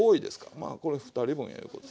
まあこれ２人分やいうことで。